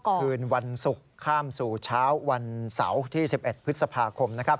คืนวันศุกร์ข้ามสู่เช้าวันเสาร์ที่๑๑พฤษภาคมนะครับ